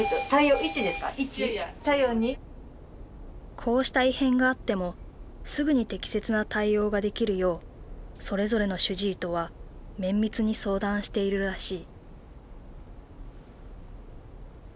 こうした異変があってもすぐに適切な対応ができるようそれぞれの主治医とは綿密に相談しているらしい。